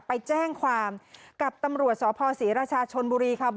ไปแจ้งความกับตำรวจสพศรีราชาชนบุรีค่ะ